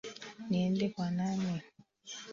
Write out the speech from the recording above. Niende kwa nani?